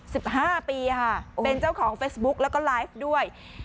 สิบห้าปีค่ะเป็นเจ้าของเฟซบุ๊กแล้วก็ไลฟ์ด้วย